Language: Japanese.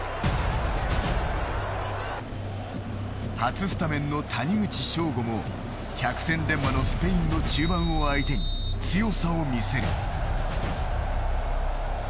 初スタメンの谷口彰悟も百戦錬磨のスペインの中盤を相手に強さを見せる。